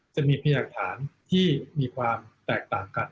จะมีพยากฐานที่มีความแตกต่างกัน